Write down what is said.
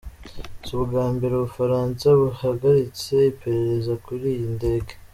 Si ubwa mbere u Bufaransa buhagaritse iperereza kuri iyi ndege.